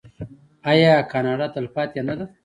آیا کاناډا تلپاتې نه ده؟